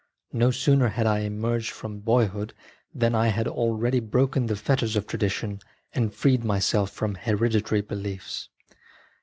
No sooner had I emerged from boyhood than I had already broken the fetters of tradition and freed myself from heredi / tary beliefs.